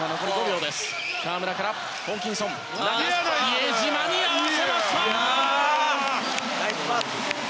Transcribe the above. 比江島に合わせました！